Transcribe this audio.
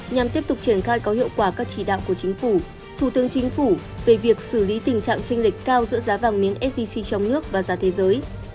nhằm tiếp tục triển khai có hiệu quả các chỉ đạo của chính phủ thủ tướng chính phủ về việc xử lý tình trạng trinh lịch cao giữa giá vàng miếng sgc trong nước và giá thế giới